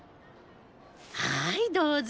はいどうぞ。